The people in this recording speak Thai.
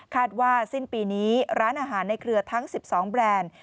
ว่าสิ้นปีนี้ร้านอาหารในเครือทั้ง๑๒แบรนด์